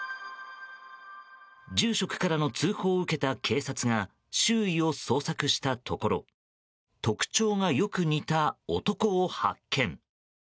住職からの通報を受けた警察が周囲を捜索したところ特徴がよく似た男を発見。